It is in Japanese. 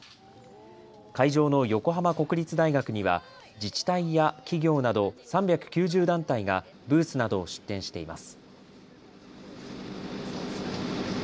会場の横浜国立大学には自治体や企業など３９０団体がブースなどを出展しています。